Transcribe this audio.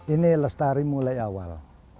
ini lestari mulai awal